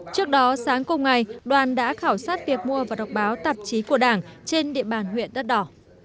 trước đó sáng cùng ngày đoàn đã khảo sát việc mua và đọc báo tạp chí của đảng trên địa bàn huyện đất đỏ